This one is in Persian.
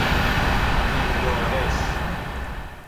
انگارش